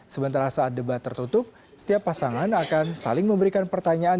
sementara saat debat tertutup setiap pasangan akan saling memberikan pertanyaan